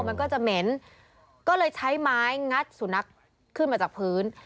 มันก็จะเหม็นก็เลยใช้ไม้งัดสุนัขขึ้นมาจากพื้น